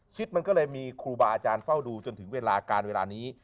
มันก็เลยมีครูบาอาจารย์เฝ้าดูจนถึงเวลาการเวลานี้